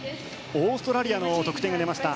オーストラリアの得点が出ました。